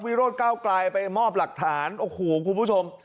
วิโรธก้าวไกลไปมอบหลักฐานโอ้โหคุณผู้ชม